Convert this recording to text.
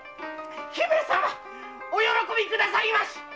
お喜びくださいまし。